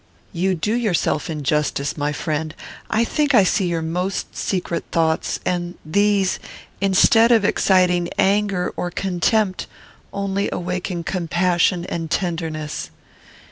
"You do yourself injustice, my friend. I think I see your most secret thoughts; and these, instead of exciting anger or contempt, only awaken compassion and tenderness.